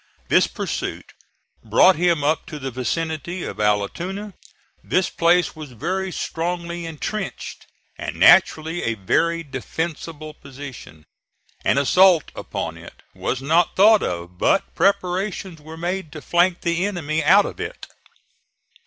This pursuit brought him up to the vicinity of Allatoona. This place was very strongly intrenched, and naturally a very defensible position. An assault upon it was not thought of, but preparations were made to flank the enemy out of it.